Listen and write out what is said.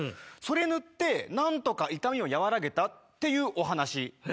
それ塗って何とか痛みを和らげたっていうお話。